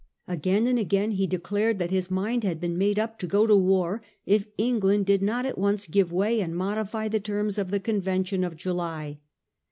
Again and again he declared that his mind had been made up to go to war if Eng land did not at once give way and modify the terms of the convention of July.